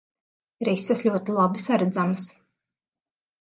Rises ļoti labi saredzamas.